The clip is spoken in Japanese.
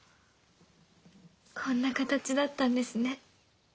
こんな形だったんですね。